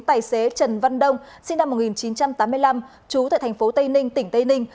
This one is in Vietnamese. tài xế trần văn đông sinh năm một nghìn chín trăm tám mươi năm trú tại thành phố tây ninh tỉnh tây ninh